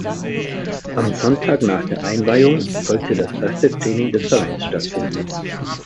Am Sonntag nach der Einweihung sollte das erste Training des Vereins stattfinden.